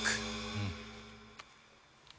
うん！